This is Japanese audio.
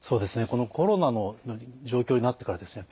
このコロナの状況になってからですね